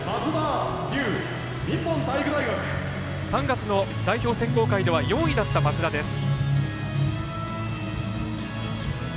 ３月の代表選考会では４位だった松田です。